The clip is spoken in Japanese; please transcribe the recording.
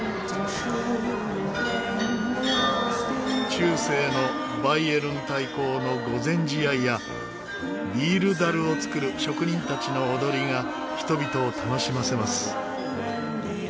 中世のバイエルン大公の御前試合やビール樽を作る職人たちの踊りが人々を楽しませます。